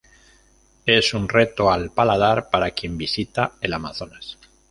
Es un reto al paladar para quien visita el Amazonas.